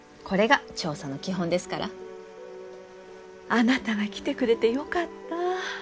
あなたが来てくれてよかった。